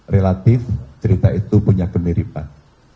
relatif cerita itu punya kemiripan